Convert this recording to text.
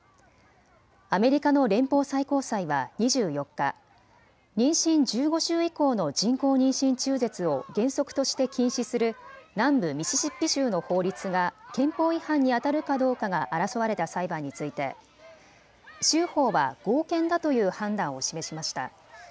アメリカの連邦最高裁は２４日、妊娠１５週以降の人工妊娠中絶を原則として禁止する南部ミシシッピ州の法律が憲法違反にあたるかどうかが争われた裁判について州法は合憲だという判断を示しました。